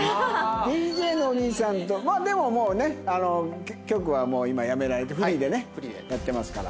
ＤＪのお兄さんとまあでももうね局はもう今辞められてフリーでねやってますから。